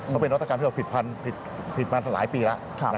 มันเป็นอัตราการที่เราผิดพันธุ์ผิดมาสักหลายปีแล้ว